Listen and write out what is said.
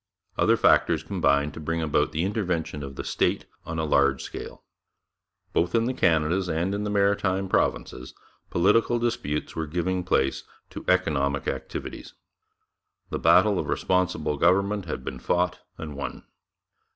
Other factors combined to bring about the intervention of the state on a large scale. Both in the Canadas and in the Maritime Provinces political disputes were giving place to economic activities. The battle of responsible government had been fought and won.